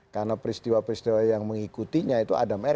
karena peristiwa peristiwa yang mengikutinya itu adam r